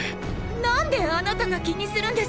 何であなたが気にするんです